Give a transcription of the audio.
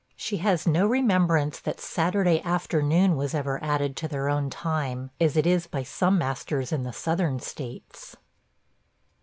She has no remembrance that Saturday afternoon was ever added to their own time, as it is by some masters in the Southern States.